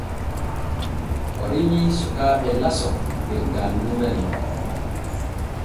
O rimii sukaaɓe laso der gannuure ne.